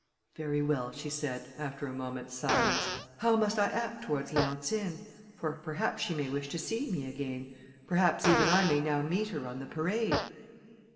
"Very well," she said, after a moment's silence, "how must I act towards Leontine? for perhaps she may wish to see me again; perhaps even I may now meet her on the parade."